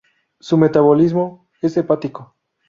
Su metabolismo es hepático.